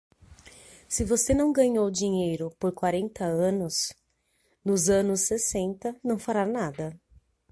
Se você não ganhou dinheiro por quarenta anos, nos anos sessenta não fará nada.